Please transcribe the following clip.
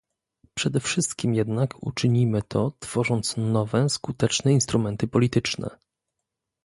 Przede wszystkim jednak uczynimy to, tworząc nowe skuteczne instrumenty polityczne